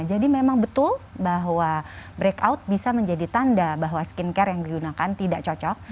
jadi memang betul bahwa breakout bisa menjadi tanda bahwa skincare yang digunakan tidak cocok